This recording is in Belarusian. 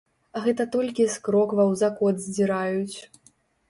Гэта толькі з крокваў закот здзіраюць.